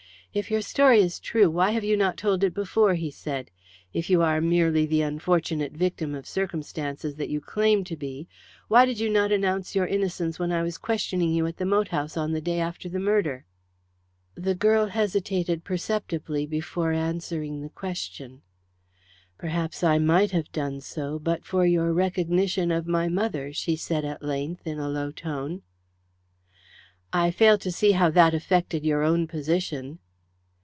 "If your story is true, why have you not told it before?" he said. "If you are merely the unfortunate victim of circumstances that you claim to be, why did you not announce your innocence when I was questioning you at the moat house on the day after the murder?" The girl hesitated perceptibly before answering the question. "Perhaps I might have done so but for your recognition of my mother," she said at length, in a low tone. "I fail to see how that affected your own position."